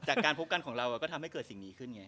การพบกันของเราก็ทำให้เกิดสิ่งนี้ขึ้นไง